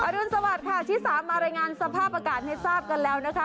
รุนสวัสดิ์ค่ะที่สามมารายงานสภาพอากาศให้ทราบกันแล้วนะคะ